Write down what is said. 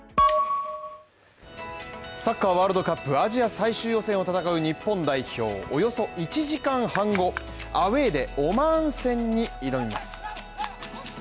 サッカーワールドカップアジア最終予選を戦う日本代表、およそ１時間半後、アウェーでオマーン戦に挑みます。